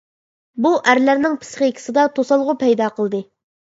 بۇ ئەرلەرنىڭ پىسخىكىسىدا توسالغۇ پەيدا قىلدى.